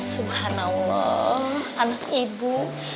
subhanallah anak ibu